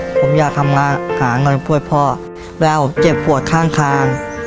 ผมอยากทำงานขายเงินเพื่อพ่อแล้วผมเจ็บปวดข้าง